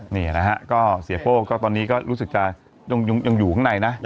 นี่นะฮะก็เสียโป้ก็ตอนนี้ก็รู้สึกจะยังอยู่ข้างในนะ